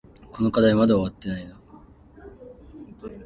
この課題まだ終わってないの？